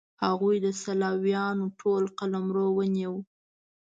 هغوی د سلاویانو ټول قلمرو ونیو.